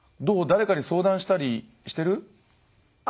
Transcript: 誰かに相談したりしてる？